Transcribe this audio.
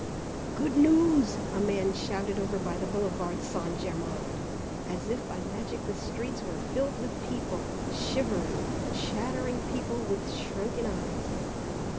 "Good news!" a man shouted over by the Boulevard St. Germain. As if by magic the streets were filled with people, shivering, chattering people with shrunken eyes.